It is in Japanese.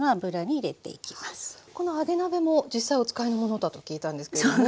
この揚げ鍋も実際お使いのものだと聞いたんですけれども。